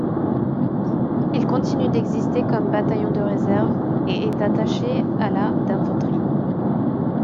Il continue d'exister comme bataillon de réserve et est attaché à la d'infanterie.